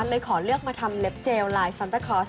เลยขอเลือกมาทำเล็บเจลลายซันเตอร์คอร์ส